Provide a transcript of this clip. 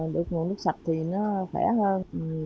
được nguồn nước sạch thì nó khỏe hơn